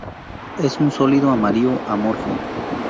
Es un sólido amarillo amorfo.